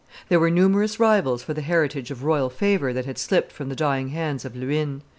There were numerous rivals for the heritage of royal favor that had slipped from the dying hands of Luynes.